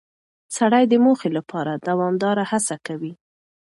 سړی د موخې لپاره دوامداره هڅه کوي